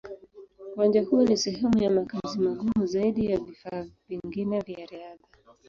Uwanja huo ni sehemu ya makazi magumu zaidi ya vifaa vingine vya riadha.